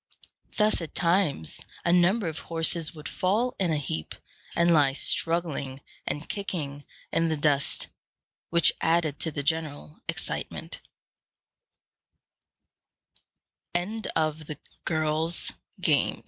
Thus at times a number of horses would fall in a heap, and lie struggling and kicking in the dust, which added to the general excitement.